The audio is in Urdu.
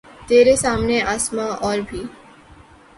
ترے سامنے آسماں اور بھی